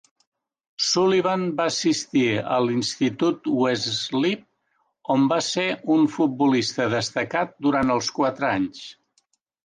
Sullivan va assistir a l'Institut West Islip, on va ser un futbolista destacat durant els quatre anys.